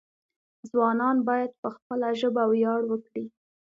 ځوانان باید په خپله ژبه ویاړ وکړي.